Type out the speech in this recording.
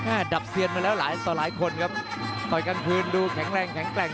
ดับเซียนมาแล้วหลายต่อหลายคนครับต่อยกลางคืนดูแข็งแรงแข็งแกร่ง